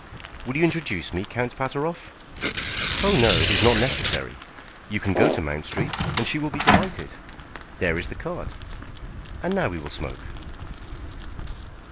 "Will you introduce me, Count Pateroff?" "Oh, no; it is not necessary. You can go to Mount Street, and she will be delighted. There is the card. And now we will smoke."